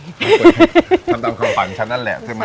ทำตามความฝันฉันนั่นแหละใช่ไหม